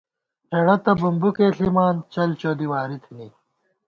ہېڑہ تہ بُومبُوکے ݪِما ، چل چودی واری تھنی